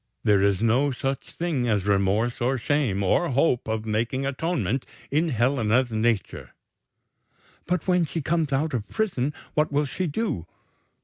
There is no such thing as remorse or shame, or hope of making atonement, in Helena's nature." "But when she comes out of prison, what will she do?"